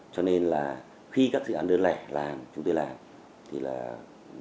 cho nên là khi các dự án đơn lẻ chúng tôi làm